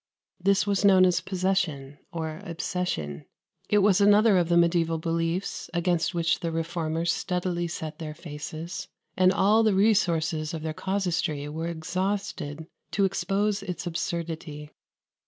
This was known as possession, or obsession. It was another of the mediaeval beliefs against which the reformers steadily set their faces; and all the resources of their casuistry were exhausted to expose its absurdity.